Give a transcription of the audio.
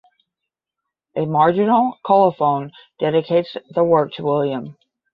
A marginal colophon dedicates the work to William.